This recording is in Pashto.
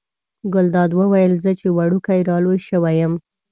ګلداد وویل زه چې وړوکی را لوی شوی یم.